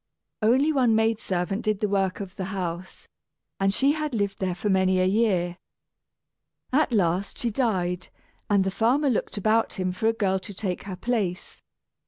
Only one maid servant did the work of the house, and she had lived there for many a year. At last she died, and the farmer looked about him for a girl to take her place.